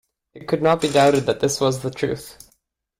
It could not be doubted that this was the truth.